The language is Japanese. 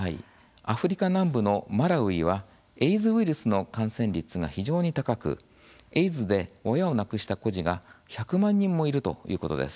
アフリカ南部のマラウイはエイズウイルスの感染率が非常に高くエイズで親を亡くした孤児が１００万人もいるということです。